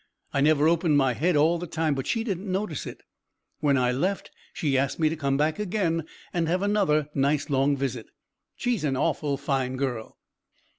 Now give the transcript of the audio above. I never opened my head all the time, but she didn't notice it. When I left she asked me to come back again and have another nice long visit. She's an awful fine girl."